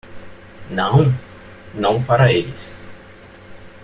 Não? não para eles.